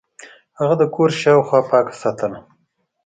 هغه د کور شاوخوا پاکه ساتله.